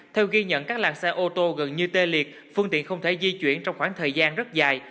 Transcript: theo ghi nhận các làng xe ô tô gần như tê liệt phương tiện không thể di chuyển trong khoảng thời gian rất dài